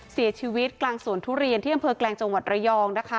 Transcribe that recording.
เสียชีวิตกลางสวนทุเรียนที่อำเภอแกลงจังหวัดระยองนะคะ